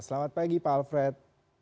selamat pagi pak alfred